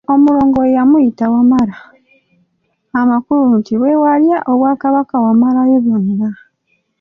Omulongo we yamuyita Wamala, amakulu nti bwe walya obwakabaka wamalayo byonna.